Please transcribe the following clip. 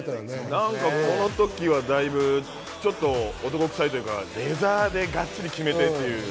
このときはちょっと男臭いというかレザーでがっちり決めてという。